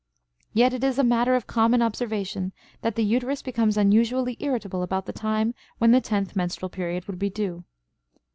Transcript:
Yet it is a matter of common observation that the uterus becomes unusually irritable about the time when the tenth menstrual period would be due.